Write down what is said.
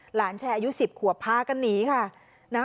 หลานชายอายุ๑๐ขัวพากันนี้ค่ะ